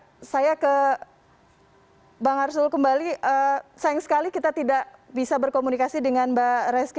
oke saya ke bang arsul kembali sayang sekali kita tidak bisa berkomunikasi dengan mbak reski